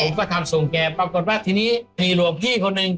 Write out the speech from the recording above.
ผมก็ทำส่งแกปรากฏว่าทีนี้ผีหลวงพี่คนหนึ่ง